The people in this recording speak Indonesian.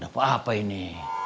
kedapa apa ini